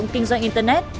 kinh doanh internet